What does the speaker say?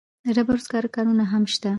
د ډبرو سکرو کانونه هم شته.